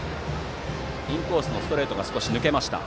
インコースのストレートが抜けました。